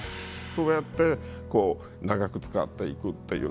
そうやって長く使っていくという。